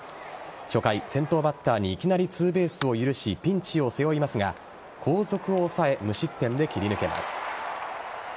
初回、先頭バッターにいきなりツーベースを許しピンチを背負いますが後続を抑え無失点で切り抜けます。